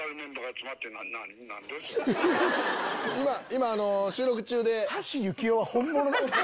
今収録中で。